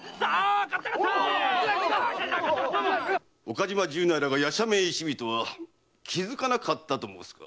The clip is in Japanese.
岡島十内らが夜叉面一味とは気づかなかったと申すか？